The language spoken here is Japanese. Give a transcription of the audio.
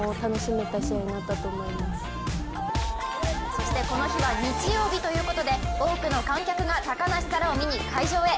そしてこの日は日曜日ということで多くの観客が、高梨沙羅を見に会場へ。